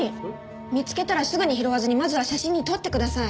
見つけたらすぐに拾わずにまずは写真に撮ってください！